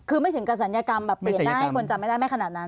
คือไม่ถึงกับศัลยกรรมแบบเปลี่ยนได้ให้คนจำไม่ได้ไม่ขนาดนั้น